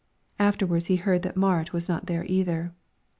Afterwards he heard that Marit was not there either.